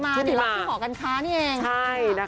ติดรับที่หอการค้านี่เอง